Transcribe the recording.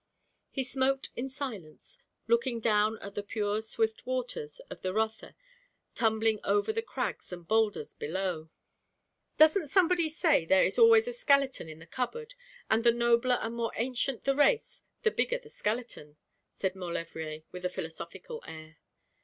He smoked in silence, looking down at the pure swift waters of the Rotha tumbling over the crags and boulders below. 'Doesn't somebody say there is always a skeleton in the cupboard, and the nobler and more ancient the race the bigger the skeleton?' said Maulevrier, with a philosophical air.